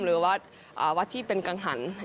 หรือวัดที่เป็นกังหัน